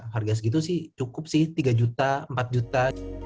harga segitu sih cukup sih tiga juta empat juta